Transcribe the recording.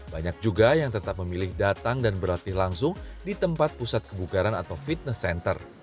banyak juga yang tetap memilih datang dan berlatih langsung di tempat pusat kebukaran atau fitness center